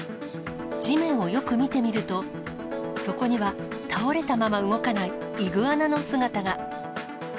地面をよく見てみると、そこには倒れたまま動かないイグアナの姿が。